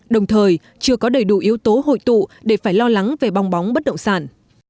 đồng thời chưa có đầy đủ yếu tố hội tụ để phải lo lắng về bong bóng bất động sản